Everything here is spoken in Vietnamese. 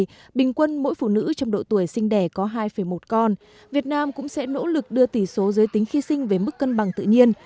trong năm hai nghìn ba mươi bình quân mỗi phụ nữ trong độ tuổi sinh đẻ có hai một con việt nam cũng sẽ nỗ lực đưa tỷ số giới tính khi sinh về mức cân bằng tự nhiên